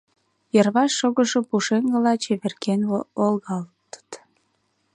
Йырваш шогышо пушеҥгыла чеверген волгалтыт...